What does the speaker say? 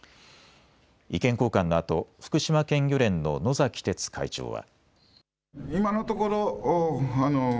意見交換のあと福島県漁連の野崎哲会長は。